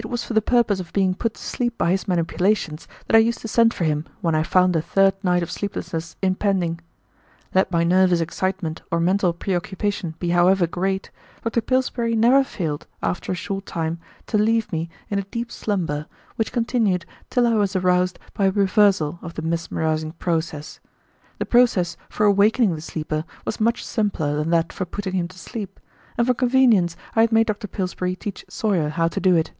It was for the purpose of being put to sleep by his manipulations that I used to send for him when I found a third night of sleeplessness impending. Let my nervous excitement or mental preoccupation be however great, Dr. Pillsbury never failed, after a short time, to leave me in a deep slumber, which continued till I was aroused by a reversal of the mesmerizing process. The process for awaking the sleeper was much simpler than that for putting him to sleep, and for convenience I had made Dr Pillsbury teach Sawyer how to do it.